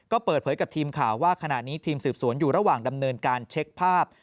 ก็เปิดเผยกับทีมข่าวว่าขณะนี้ทีมสืบสวนอยู่ระหว่างดำเนินการเช็คภาพ